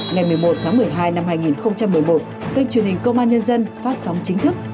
ngày một mươi một tháng một mươi hai năm hai nghìn một mươi một kênh truyền hình công an nhân dân phát sóng chính thức